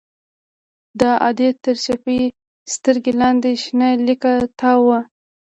د ادې تر چپې سترگې لاندې شنه ليکه تاوه وه.